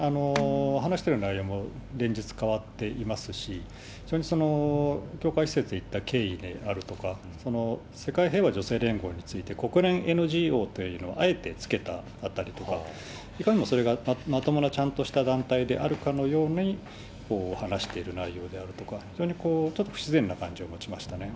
話してる内容も連日変わっていますし、それに教会施設行った経緯であるとか、世界平和女性連合について、国連ＮＧＯというのをあえてつけたあたりとか、いかにもそれがまともなちゃんとした団体であるかのように話している内容であるとか、それにちょっと不自然な感じを持ちましたね。